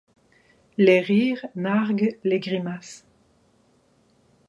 Les rires narguent les grimaces